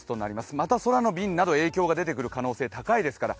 また空の便など影響が出てくる可能性が高いですから